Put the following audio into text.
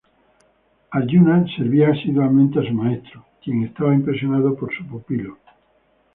Aryuna servía asiduamente a su maestro, quien estaba impresionado por su pupilo.